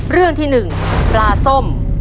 เรื่องที่๑ปลาส้ม